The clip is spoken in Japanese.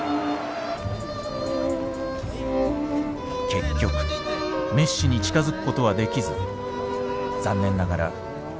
結局メッシに近づくことはできず残念ながらサインはもらえなかった。